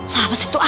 siapa sih itu ah